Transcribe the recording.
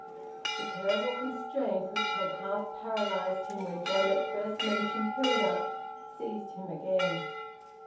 The terrible constraint which had half paralysed him when Janet first mentioned Hilda, seized him again.